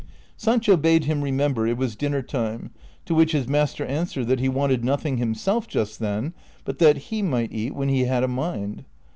Sancho bade him remember it Avas dinner time, to which his master answered that he wanted nothing himself just then, but that lie might eat when he had a mind.